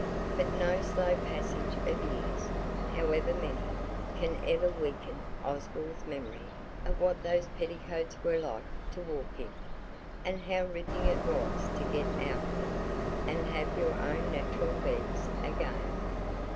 But no slow passage of years, however many, can ever weaken Oswald's memory of what those petticoats were like to walk in, and how ripping it was to get out of them, and have your own natural legs again.